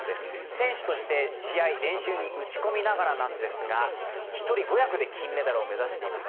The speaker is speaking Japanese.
選手として試合、練習に打ち込みながらなんですが１人５役で金メダルを目指しています。